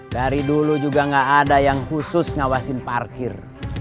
dari dulu juga nggak ada yang khusus ngawasin parkir